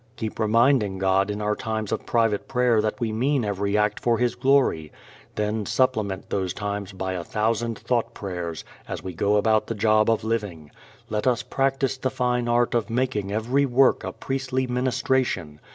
Keep reminding God in our times of private prayer that we mean every act for His glory; then supplement those times by a thousand thought prayers as we go about the job of living. Let us practice the fine art of making every work a priestly ministration.